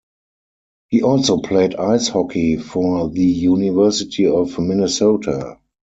He also played ice hockey for the University of Minnesota.